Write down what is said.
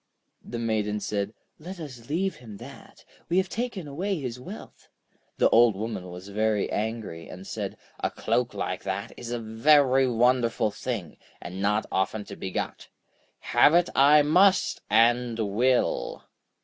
The Maiden said: 'Let us leave him that; we have taken away his wealth.' The Old Woman was very angry, and said: 'A cloak like that is a very wonderful thing, and not often to be got. Have it I must, and will!'